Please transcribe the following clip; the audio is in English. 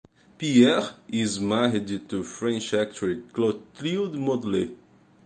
Pierre is married to French actress Clotilde Mollet.